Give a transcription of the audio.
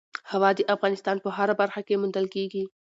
هوا د افغانستان په هره برخه کې موندل کېږي.